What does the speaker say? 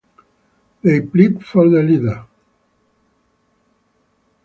They plead for their leader.